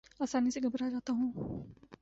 آسانی سے گھبرا جاتا ہوں